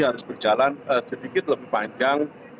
harus berjalan sedikit lebih panjang